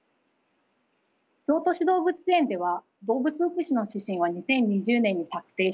京都市動物園では動物福祉の指針を２０２０年に策定しました。